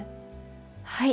はい。